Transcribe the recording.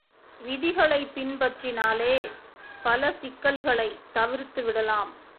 விதிகளைப் பின்பற்றினாலே பல சிக்கல்களைத் தவிர்த்துவிடலாம்.